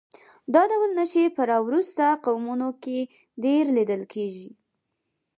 دا ډول نښې په راوروسته قومونو کې ډېرې لیدل کېږي